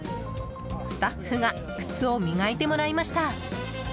スタッフが靴を磨いてもらいました。